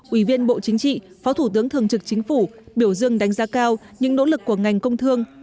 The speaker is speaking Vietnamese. ủy viên bộ chính trị phó thủ tướng thường trực chính phủ biểu dương đánh giá cao những nỗ lực của ngành công thương